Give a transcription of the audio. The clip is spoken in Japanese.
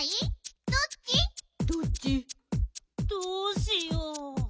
どうしよう。